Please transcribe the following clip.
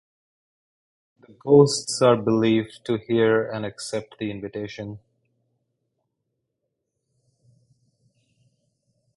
The ghosts are believed to hear and accept the invitation.